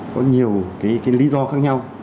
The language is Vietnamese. có nhiều lý do khác nhau